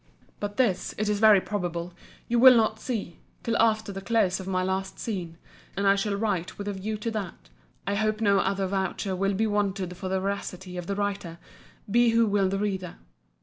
But this, it is very probable, you will not see, till after the close of my last scene: and as I shall write with a view to that, I hope no other voucher will be wanted for the veracity of the writer, be who will the reader.